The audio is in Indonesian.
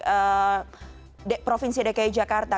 di provinsi dki jakarta